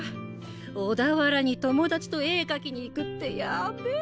小田原に友達と絵描きに行くってやべぇ！